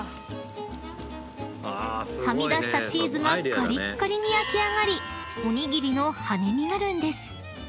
［はみ出したチーズがカリッカリに焼き上がりおにぎりの羽根になるんです］